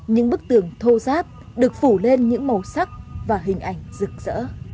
những bức tường thô giáp được phủ lên những màu sắc và hình ảnh rực rỡ